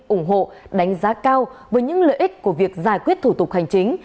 ủng hộ đánh giá cao với những lợi ích của việc giải quyết thủ tục hành chính